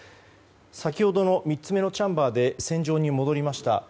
先ほどの３つ目のチャンバーで船上に戻りました。